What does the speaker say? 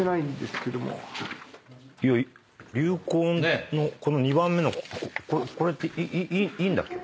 いや流行のこの２番目のこれっていいんだっけ？